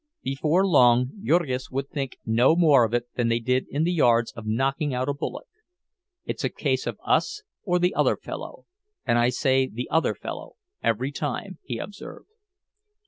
Before long Jurgis would think no more of it than they did in the yards of knocking out a bullock. "It's a case of us or the other fellow, and I say the other fellow, every time," he observed.